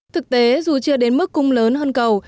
thực tế dù chưa đến mức cung lớn hơn cầu